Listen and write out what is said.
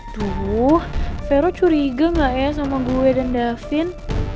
tuh vero curiga gak ya sama gue dan da vin